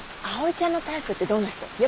あおいちゃんのタイプってどんな人？